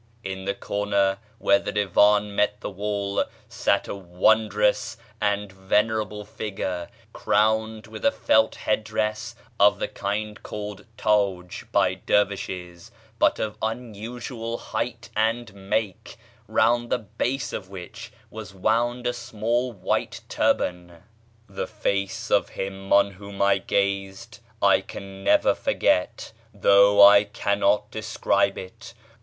In the corner where the divan met the wall sat a wondrous and venerable figure, crowned with a felt head dress of the kind called táj by dervishes (but of unusual height and make), round the base of which was wound a small white turban. The face of him on whom I gazed I can never forget, though I cannot describe it.